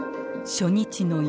初日の夜。